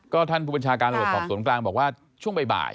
ก็ท่านผู้บัญชาการระบบสนตร์กลางบอกว่าช่วงบ่าย